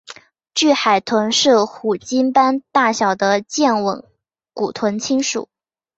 巨海豚是虎鲸般大小的剑吻古豚亲属。